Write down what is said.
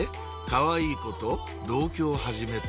「かわいい子と同居を始めた」？